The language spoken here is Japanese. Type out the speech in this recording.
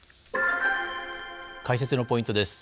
解説のポイントです。